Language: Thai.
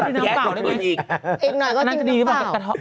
ทอดด้วยน้ำเปล่าได้ไหมอีกหน่อยก็ด้วยน้ำเปล่าน่าจะดีหรือเปล่า